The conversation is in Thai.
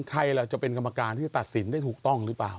ใครล่ะจะเป็นกรรมการที่จะตัดสินได้ถูกต้องหรือเปล่า